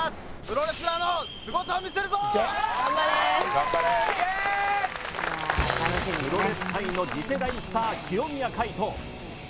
プロレス界の次世代スター清宮海斗